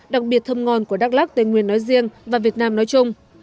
đặc biệt thơm ngon của đắk lắc tây nguyên nói riêng và việt nam nói chung